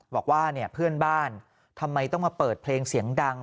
บอกว่าเนี่ยเพื่อนบ้านทำไมต้องมาเปิดเพลงเสียงดัง